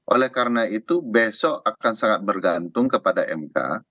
oleh karena itu besok akan sangat bergantung kepada mk